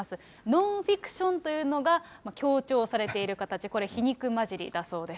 ノンフィクションというのが強調されている形、これ、皮肉交じりだそうです。